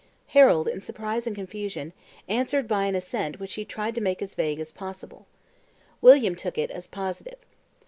Harold, in surprise and confusion, answered by an assent which he tried to make as vague as possible. William took it as positive.